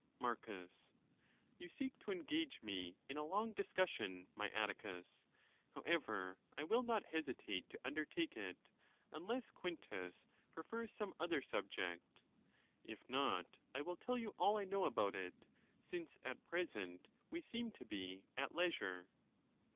Marcus.—You seek to engage me in a long discussion, my Atticus. However, I will not hesitate to undertake it, unless Quintus prefers some other subject. . If not, I will tell you all I know about it, since at present we seem to be at leisure.